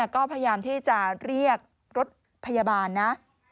ก็พยายามที่จะเรียกรถพยาบาลนะ